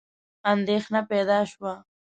اندېښنه پیدا شوه.